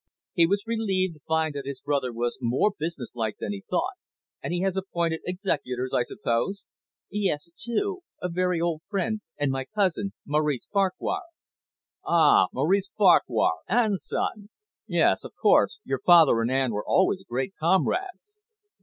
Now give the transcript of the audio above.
He was relieved to find that his brother was more business like than he thought. "And he has appointed executors, I suppose?" "Yes, two a very old friend, and my cousin, Maurice Farquhar." "Ah, Maurice Farquhar, Anne's son! Yes, of course, your father and Anne were always great comrades.